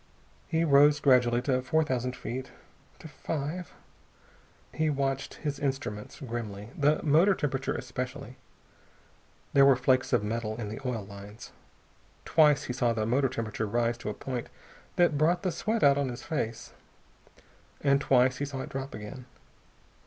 He rose gradually to four thousand feet, to five.... He watched his instruments grimly, the motor temperature especially. There were flakes of metal in the oil lines. Twice he saw the motor temperature rise to a point that brought the sweat out on his face. And twice he saw it drop again.